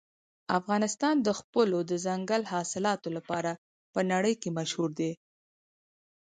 افغانستان د خپلو دځنګل حاصلاتو لپاره په نړۍ کې مشهور دی.